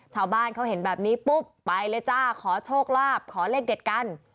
ชาวบ้านเขาเห็นแบบนี้ปุ๊บไปเลยจ้าขอโชคลาภขอเลขเด็ดกัน